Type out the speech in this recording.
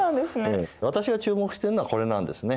私が注目しているのはこれなんですね。